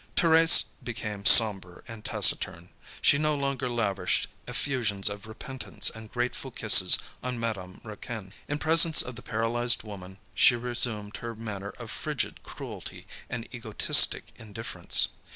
Thérèse became sombre and taciturn. She no longer lavished effusions of repentance and grateful kisses on Madame Raquin. In presence of the paralysed woman, she resumed her manner of frigid cruelty and egotistic indifference.